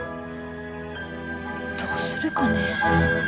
どうするかね。